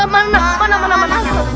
memana memana memana